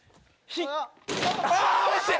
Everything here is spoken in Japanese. あ惜しい！